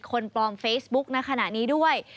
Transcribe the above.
คนปลอมเฟซบุ๊กณขณะนี้ด้วย